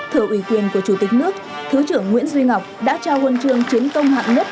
thợ ủy quyền của chủ tịch nước thứ trưởng nguyễn duy ngọc đã trao huân trường chiến công hạng nhất